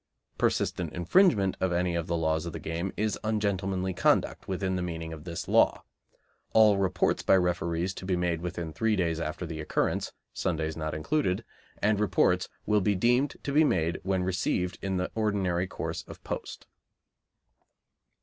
(Persistent infringement of any of the laws of the game is ungentlemanly conduct within the meaning of this law. All reports by referees to be made within three days after the occurrence (Sundays not included), and reports will be deemed to be made when received in the ordinary course of post.)